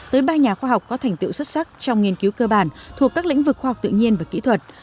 tới ba nhà khoa học có thành tiệu xuất sắc trong nghiên cứu cơ bản thuộc các lĩnh vực khoa học tự nhiên và kỹ thuật